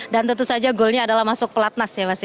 dan tentu saja goalnya adalah masuk pelatnas ya mas ya